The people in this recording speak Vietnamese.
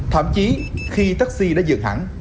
thậm chí khi taxi đã dừng hẳn